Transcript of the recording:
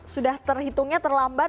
sudah terhitungnya terlambat